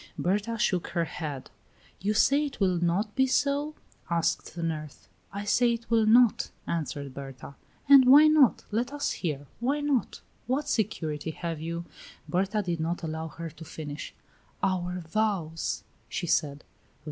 Berta shook her head. "You say it will not be so?" asked the nurse. "I say it will not," answered Berta. "And why not? Let us hear why not? What security have you " Berta did not allow her to finish. "Our vows," she said.